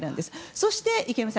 そして、池上さん